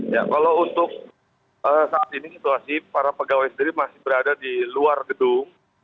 ya kalau untuk saat ini situasi para pegawai sendiri masih berada di luar gedung